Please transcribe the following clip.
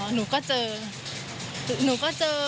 หนูก็เจอ